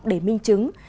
để minh chứng